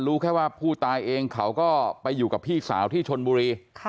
รู้แค่ว่าผู้ตายเองเขาก็ไปอยู่กับพี่สาวที่ชนบุรี